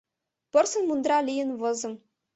Порсын мундыра лийын возым: